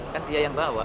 kan dia yang bawa